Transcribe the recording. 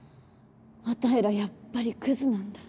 あたいらやっぱりクズなんだ。